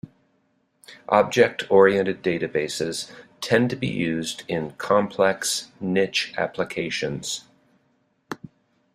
Object-oriented databases tend to be used in complex, niche applications.